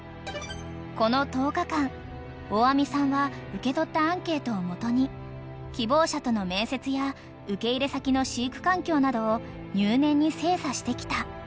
［この１０日間大網さんは受け取ったアンケートを基に希望者との面接や受け入れ先の飼育環境などを入念に精査してきた］